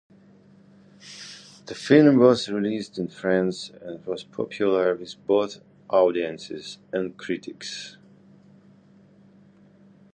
The film was released in France and was popular with both audiences and critics.